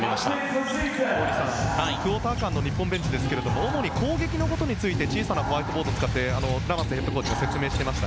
大西さん、クオーター間の日本ベンチですが主に攻撃のことについて小さなホワイトボードを使ってラマスヘッドコーチが説明していました。